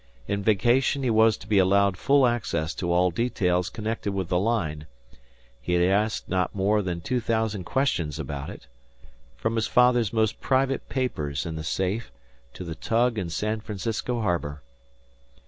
In vacation he was to be allowed full access to all details connected with the line he had not asked more than two thousand questions about it, from his father's most private papers in the safe to the tug in San Francisco harbour.